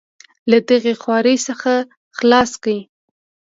له دغې خوارۍ څخه خلاص کړي.